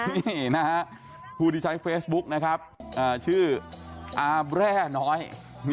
นี่นะฮะผู้ที่ใช้เฟซบุ๊กนะครับชื่ออาแร่น้อย